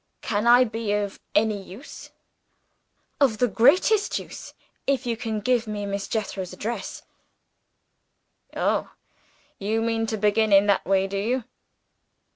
Can I be of any use?" "Of the greatest use, if you can give me Miss Jethro's address." "Oh! You mean to begin in that way, do you?"